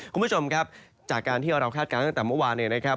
คุณผู้ชมครับจากการที่เราคาดการณ์ตั้งแต่เมื่อวาน